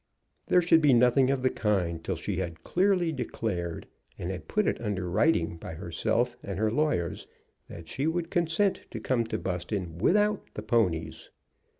There should be nothing of the kind till she had clearly declared, and had put it under writing by herself and her lawyers, that she would consent to come to Buston without the ponies.